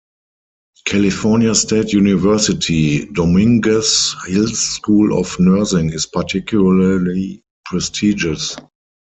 California State University, Dominguez Hill's School of Nursing is particularly prestigious.